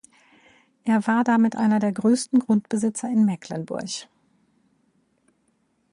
Er war damit einer der größten Grundbesitzer in Mecklenburg.